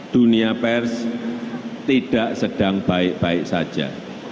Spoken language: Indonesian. dunia pers tidak sedang baik baik saja